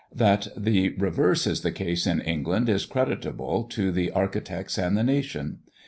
That the reverse is the case in England is creditable to the architects and the nation.